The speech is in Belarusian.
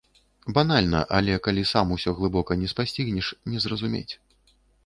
Банальна, але калі сам усё глыбока не спасцігнеш, не зразумець.